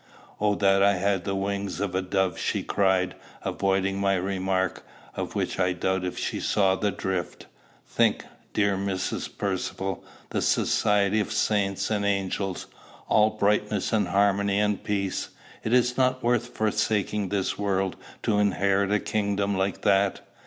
"'Oh that I had the wings of a dove!'" she cried, avoiding my remark, of which I doubt if she saw the drift. "Think, dear Mrs. Percivale: the society of saints and angels! all brightness and harmony and peace! Is it not worth forsaking this world to inherit a kingdom like that?